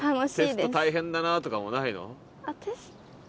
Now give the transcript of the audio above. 「テスト大変だな」とかもないの？